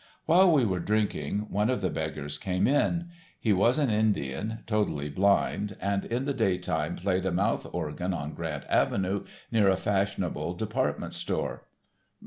While we were drinking, one of the beggars came in. He was an Indian, totally blind, and in the day time played a mouth organ on Grant Avenue near a fashionable department store.